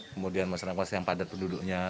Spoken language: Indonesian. kemudian masyarakat yang padat penduduknya